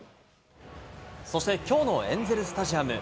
そしてきょうのエンゼルスタジアム。